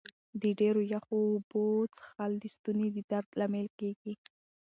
د ډېرو یخو اوبو څښل د ستوني د درد لامل کېږي.